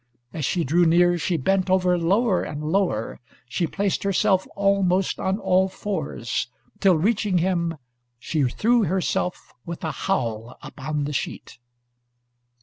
As she drew near, she bent over lower and lower, she placed herself almost on all fours; till, reaching him, she threw herself with a howl upon the sheet.